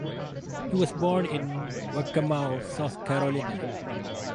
He was born in Waccamaw, South Carolina.